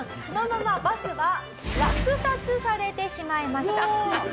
そのままバスは落札されてしまいました。